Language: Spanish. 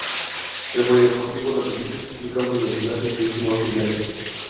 El polideportivo Las Delicias es el campus del Gimnasio cubierto Mauricio Johnson.